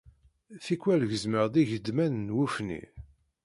Tikwal gezzmeɣ-d igeḍman n wufni.